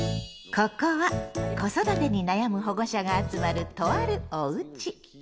ここは子育てに悩む保護者が集まるとある「おうち」。